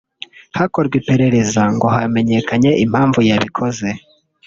hakorwa iperereza ngo hamenyekanye impamvu yabikoze